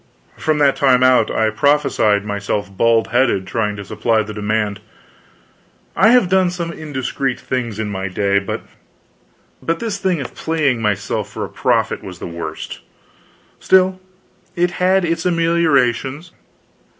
From that time out, I prophesied myself bald headed trying to supply the demand. I have done some indiscreet things in my day, but this thing of playing myself for a prophet was the worst. Still, it had its ameliorations.